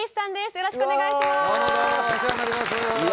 よろしくお願いします。